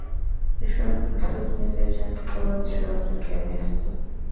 The shops include newsagents, sports shops and chemists.